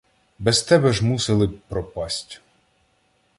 Без тебе ж мусили б пропасть.